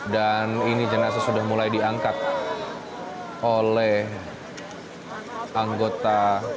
dan ini jenazah sudah mulai diangkat oleh anggota